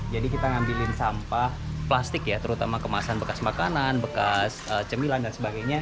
jadi kita ngambilin sampah plastik ya terutama kemasan bekas makanan bekas cemilan dan sebagainya